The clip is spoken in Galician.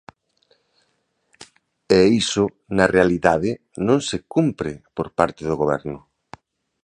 E iso na realidade, non se cumpre por parte do goberno.